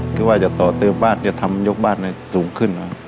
คิดว่าจะต่อเติมบ้านจะทำยกบ่านในสูงขึ้นอ่ะ